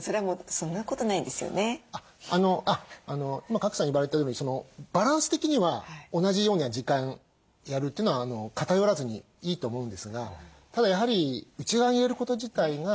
今賀来さん言われたとおりバランス的には同じような時間やるというのは偏らずにいいと思うんですがただやはり内側に入れること自体が。